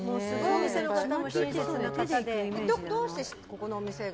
どうしてこのお店が？